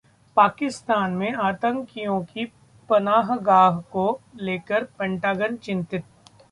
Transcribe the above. पाकिस्तान में आतंकियों की पनाहगाह को लेकर पेंटागन चिंतित